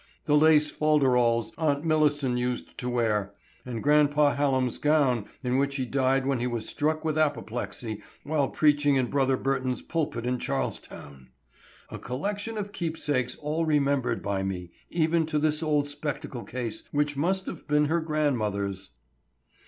The lace folderols Aunt Milicent used to wear, and Grandpa Hallam's gown in which he died when he was struck with apoplexy while preaching in Brother Burton's pulpit in Charlestown. A collection of keepsakes all remembered by me, even to this old spectacle case which must have been her grandmother's."